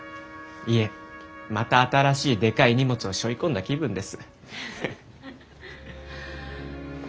いえまた新しいでかい荷物をしょいこんだ気分です。